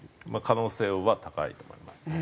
可能性は高いと思いますね。